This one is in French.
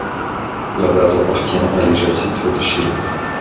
La base appartient à l'Ejército de Chile.